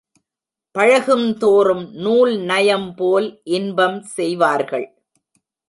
பழகும்தோறும் நூல்நயம் போல் இன்பம் செய்வார்கள்.